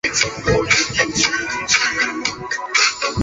阿布哈兹人民议会是阿布哈兹的国家立法机关。